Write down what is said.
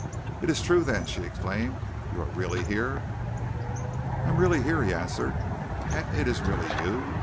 "It is true, then!" she exclaimed. "You are really here!" "I am really here," he answered, "and it is really you!